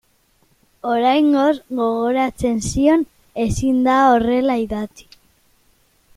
Oraingoz, gogoratzen zion, ezin da horrela idatzi.